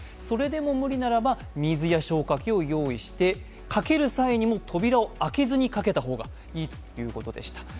それでも無理ならば水や消火器を用意してかける際にも扉を開けずにかけた方がいいということでした。